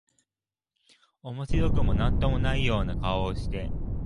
面白くも何とも無いような顔をして、